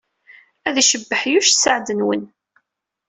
Ad icebbeḥ Yuc sseɛd-nwen.